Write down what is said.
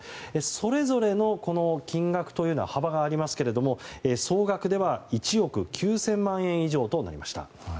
それぞれの金額というのは幅がありますが総額では１億９０００万円以上となりました。